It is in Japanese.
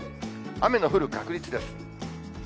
雨の降る確率です。